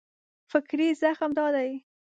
فکري زغم دا دی.